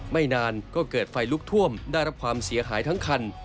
ไม่นานก็เกิดไฟลุกท่วมได้รับความเสียหายทั้งคัน